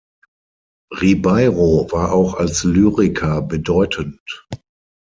Ribeiro war auch als Lyriker bedeutend.